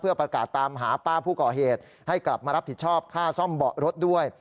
ประกาศตามหาป้าผู้ก่อเหตุให้กลับมารับผิดชอบค่าซ่อมเบาะรถด้วย